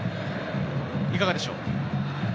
いかがでしょう？